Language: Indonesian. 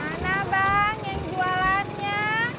mana bang yang jualannya